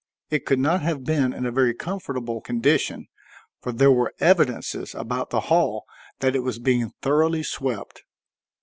It could not have been in a very comfortable condition, for there were evidences about the hall that it was being thoroughly swept.